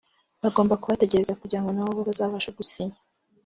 bagomba kubategereza kugira ngo nabo bazabashe gusinya